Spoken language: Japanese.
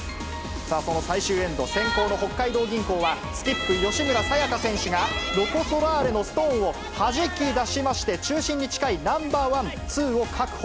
その最終エンド、先攻の北海道銀行は、スキップ、吉村紗也香選手がロコ・ソラーレのストーンをはじき出しまして、中心に近いナンバー１、２を確保。